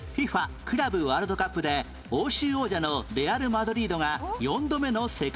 ＦＩＦＡ クラブワールドカップで欧州王者のレアル・マドリードが４度目の世界王者に